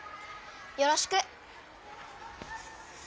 よろしく。